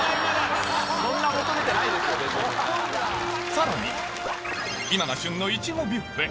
さらに今が旬のいちごビュッフェ